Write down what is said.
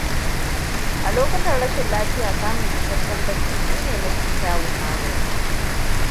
A lokutan rashin lafiya, samun isasshen bacci shine mafi kyawun magani.